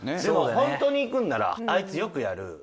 でもホントに行くんならあいつよくやる。